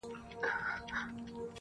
مړ يمه هغه وخت به تاته سجده وکړمه_